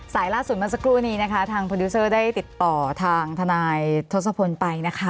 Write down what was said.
ล่าสุดเมื่อสักครู่นี้นะคะทางโปรดิวเซอร์ได้ติดต่อทางทนายทศพลไปนะคะ